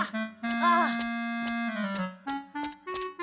ああ。